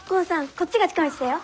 こっちが近道だよ。